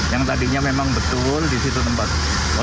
yang tadinya memang betul di situ tempat kolam buaya